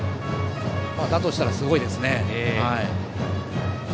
だとしたらすごいですね。